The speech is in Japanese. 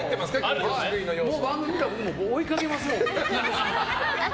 番組が追いかけますもん。